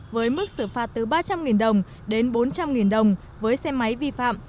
với mức xử phạt từ ba trăm linh đồng đến bốn trăm linh đồng với xe máy vi phạm